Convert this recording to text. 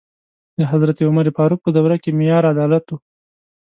د حضرت عمر فاروق په دوره کې معیار عدالت و.